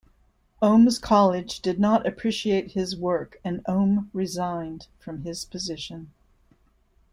Ohm's college did not appreciate his work and Ohm resigned from his position.